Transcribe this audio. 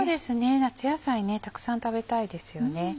夏野菜たくさん食べたいですよね。